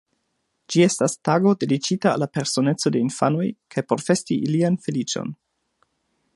Ĝi estas tago dediĉita al la personeco de infanoj kaj por festi ilian feliĉon.